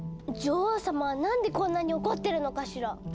女王様はなんでこんなに怒ってるのかしら？